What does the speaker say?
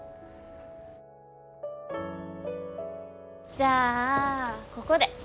じゃあここで。